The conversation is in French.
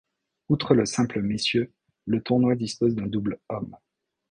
Outre le simple messieurs, le tournoi dispose d'un double hommes.